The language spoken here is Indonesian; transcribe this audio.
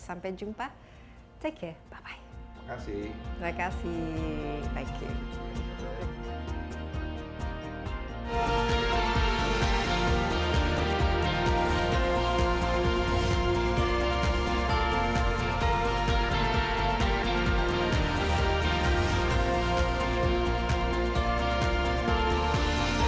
sampai jumpa take care bye bye